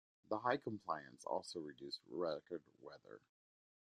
The high compliance also reduced record wear.